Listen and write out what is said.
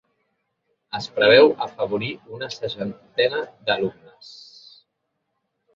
Es preveu afavorir una seixantena d’alumnes.